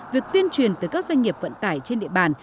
việc tuyên truyền tới các doanh nghiệp vận tải trên địa bàn